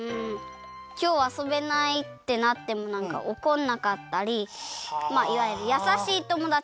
きょうあそべないってなってもおこんなかったりまあいわゆるやさしいともだち。